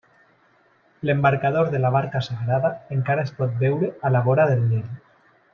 L'embarcador de la barca sagrada encara es pot veure a la vora del Nil.